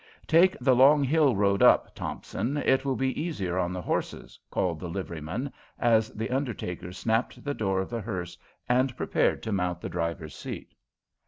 "Take the long hill road up, Thompson, it will be easier on the horses," called the liveryman as the undertaker snapped the door of the hearse and prepared to mount to the driver's seat.